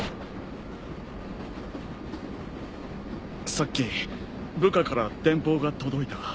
さっき部下から電報が届いた。